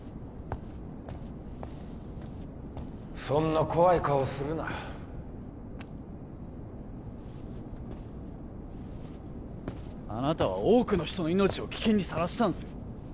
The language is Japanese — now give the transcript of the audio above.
そんな怖い顔するなあなたは多くの人の命を危険にさらしたんですよ